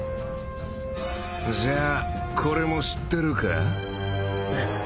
じゃあこれも知ってるか？